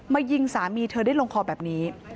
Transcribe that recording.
ยิงสามีเธอได้ลงคอแบบนี้